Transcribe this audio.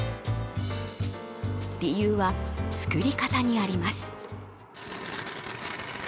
理由は作り方にあります。